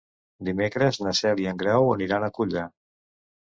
Dimecres na Cel i en Grau aniran a Culla.